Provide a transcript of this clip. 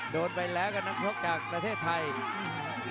โดนไปแล้วกับนักลบกับประเทศไทย